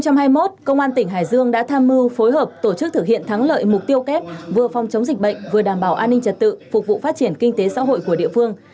năm hai nghìn hai mươi một công an tỉnh hải dương đã tham mưu phối hợp tổ chức thực hiện thắng lợi mục tiêu kép vừa phòng chống dịch bệnh vừa đảm bảo an ninh trật tự phục vụ phát triển kinh tế xã hội của địa phương